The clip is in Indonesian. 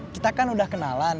kita kan udah kenalan